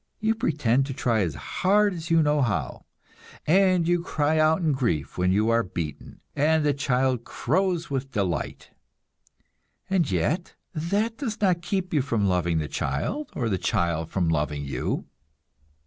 You pretend to try as hard as you know how, and you cry out in grief when you are beaten, and the child crows with delight. And yet, that does not keep you from loving the child, or the child from loving you.